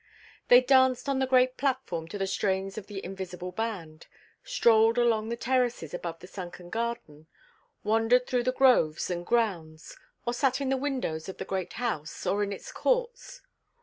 They danced on the great platform to the strains of the invisible band, strolled along the terraces above the sunken garden, wandered through the groves and "grounds," or sat in the windows of the great house or in its courts.